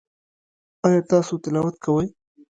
ایا تاسو تلاوت کوئ؟